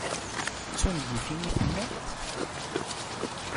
D tungifin i tellamt?